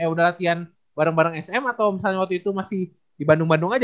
udah latihan bareng bareng sm atau misalnya waktu itu masih di bandung bandung aja